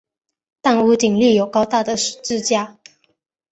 但屋顶立有高大的十字架。